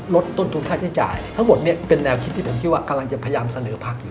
ลดต้นทุนค่าใช้จ่ายทั้งหมดเนี่ยเป็นแนวคิดที่ผมคิดว่ากำลังจะพยายามเสนอพักอยู่